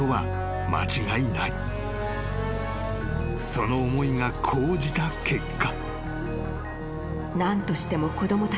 ［その思いが高じた結果］